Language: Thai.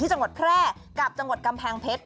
ที่จงวดแพร่กับจงวดกำแพงเพชร